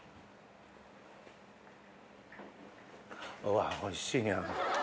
わおいしいやん。